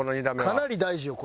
かなり大事よ